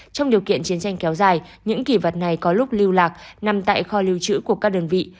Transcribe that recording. trong điều kiện chiến tranh kéo dài những kỷ vật này có lúc lưu lạc nằm tại kho lưu trữ của các đơn vị